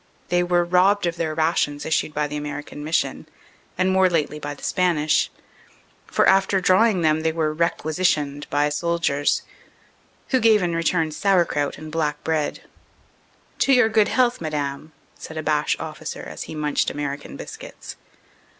They were robbed of their rations issued by the American Mission and more lately by the Spanish. For after draw ing them they were "requisitioned" by soldiers, who gave in return sauerkraut and black bread "To your good health, Madame," said a Boche officer as he munched American biscuits.